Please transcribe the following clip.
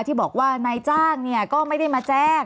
ที่บอกว่าในจ้างเนี่ยก็ไม่ได้มาแจ้ง